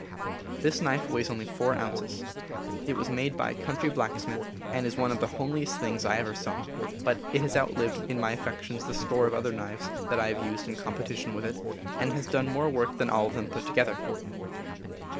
This knife weighs only 4 ounces. It was made by a coun try blacksmith, and is one of the homeliest things I ever saw; but it has outlived in my affections the score of other knives that I have used in competition with it, and has done more work than all of them put to gether.